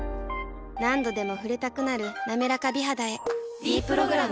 何度でも触れたくなる「なめらか美肌」へ「ｄプログラム」